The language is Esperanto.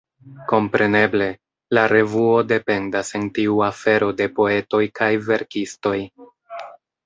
Kompreneble, la revuo dependas en tiu afero de poetoj kaj verkistoj.